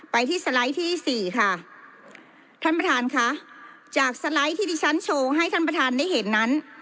ไปที่สไลด์ที่สี่ค่ะท่านประธานค่ะจากสไลด์ที่ดิฉันโชว์ให้ท่านประธานได้เห็นนั้น